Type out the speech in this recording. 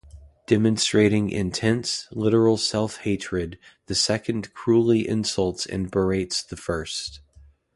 Demonstrating intense, literal self-hatred, the second cruelly insults and berates the first.